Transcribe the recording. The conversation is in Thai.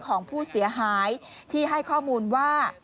ของผู้เสียหายที่ให้ข้อมูลว่า